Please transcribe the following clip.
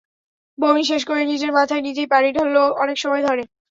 বমি শেষ করে নিজের মাথায় নিজেই পানি ঢালল অনেক সময় ধরে।